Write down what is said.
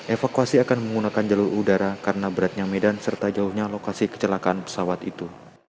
evakuasi akan menggunakan jalur udara karena beratnya medan serta jauhnya lokasi kecelakaan pesawat itu